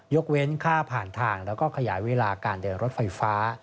เว้นค่าผ่านทางแล้วก็ขยายเวลาการเดินรถไฟฟ้า